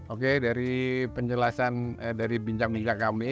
oke dari penjelasan dari bincang bincang kami